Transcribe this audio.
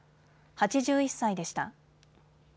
８１歳でした。